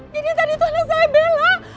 jadi yang tadi itu anak saya bella